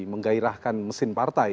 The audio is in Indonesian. menggairahkan mesin partai